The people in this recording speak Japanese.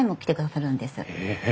へえ。